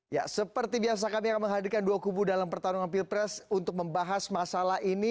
ya seperti biasa kami akan menghadirkan dua kubu dalam pertarungan pilpres untuk membahas masalah ini